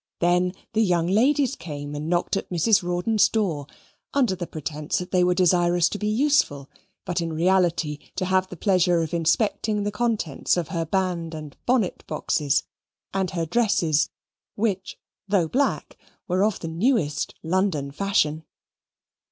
Then the young ladies came and knocked at Mrs. Rawdon's door, under the pretence that they were desirous to be useful, but in reality to have the pleasure of inspecting the contents of her band and bonnet boxes, and her dresses which, though black, were of the newest London fashion.